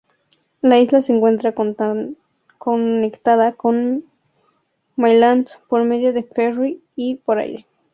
La isla se encuentra conectada con Mainland por medio de ferry y por aire.